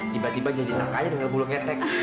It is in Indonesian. tiba tiba jadi enak aja dengan bulu ketek